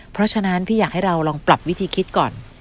เพราะฉะนั้นพี่อยากให้เราลองปรับวิธีคิดก่อน